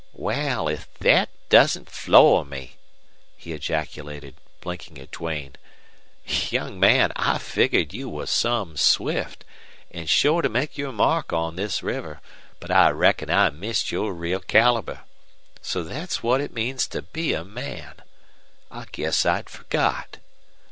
"Wal, if thet doesn't floor me!" he ejaculated, blinking at Duane. "Young man, I figgered you was some swift, an' sure to make your mark on this river; but I reckon I missed your real caliber. So thet's what it means to be a man! I guess I'd forgot.